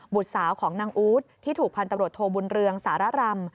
สาวของนางอู๊ดที่ถูกพันธุ์ตำรวจโทบุญเรืองสารรำ